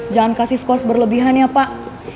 jangan kasih skor seberlebihan ya pak